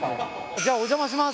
じゃあお邪魔します